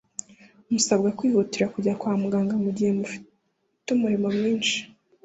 Musabwe kwihutira kujya kwamuganga mugihe mufite umuriro mwinshi